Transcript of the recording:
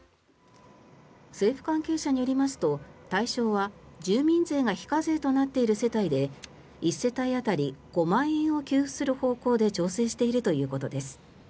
政府関係者によりますと対象は、住民税が非課税となっている世帯で１世帯当たり５万円を給付する方向で調整しているということです。